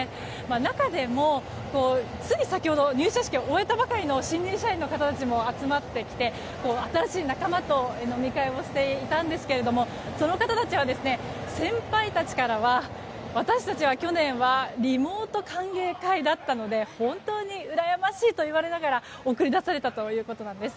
中でも、つい先ほど入社式を終えたばかりの新入社員の方たちも集まってきて新しい仲間と飲み会をしていたんですけれどもその方たちは、先輩たちからは私たちは、去年はリモート歓迎会だったので本当にうらやましいと言われながら送り出されたということなんです。